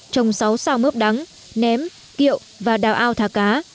trồng sáu sao mướp đắng ném kiệu và đào ao thả cá